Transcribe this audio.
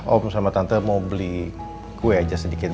om sama tante mau beli kue aja sedikit